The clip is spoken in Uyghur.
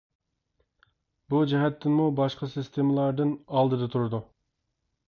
بۇ جەھەتتىنمۇ باشقا سىستېمىلاردىن ئالدىدا تۇرىدۇ.